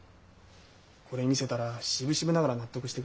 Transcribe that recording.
これ見せたらしぶしぶながら納得してくれてさ。